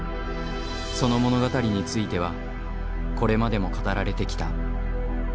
その物語についてはこれまでも語られてきた。